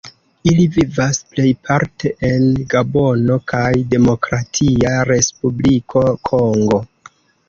Ili vivas plejparte en Gabono kaj Demokratia Respubliko Kongo.